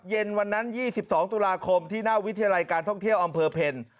เย็นวันนั้น๒๒ตุลาคมที่หน้าวิทยาลัยการท่องเที่ยวอำเภอเพล